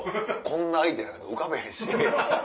こんなアイデアなんか浮かべへんし。